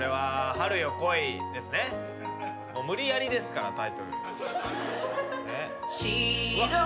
無理やりですからタイトル。